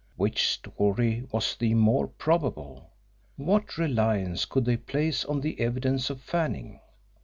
Which story was the more probable? What reliance could they place on the evidence of Fanning?